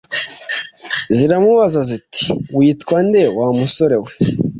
Ziramubaza ziti: "Witwa nde wa musore we